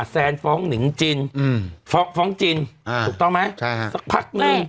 แซนฟ้องหนิงจินฟ้องจินถูกต้องไหมสักพักนึง